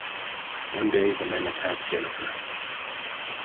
One day, the men attack Jennifer.